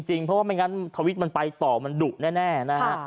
เพราะว่าไม่งั้นทวิตมันไปต่อมันดุแน่นะฮะ